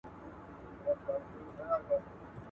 د لاس مينځلو وخت لنډ مه کوئ.